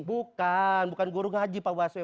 bukan bukan guru ngaji pak waswe